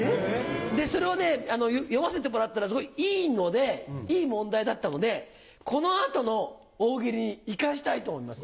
それをね読ませてもらったらすごいいい問題だったのでこの後の大喜利に生かしたいと思います。